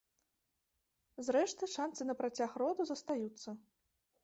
Зрэшты, шанцы на працяг роду застаюцца.